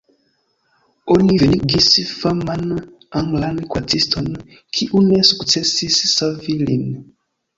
Oni venigis faman anglan kuraciston, kiu ne sukcesis savi lin.